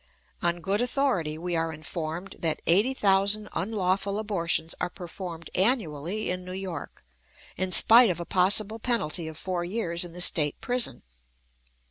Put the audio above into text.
On good authority, we are informed that eighty thousand unlawful abortions are performed annually in New York, in spite of a possible penalty of four years in the State prison.